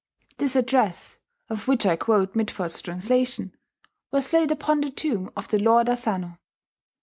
This address, of which I quote Mitford's translation, was laid upon the tomb of the Lord Asano.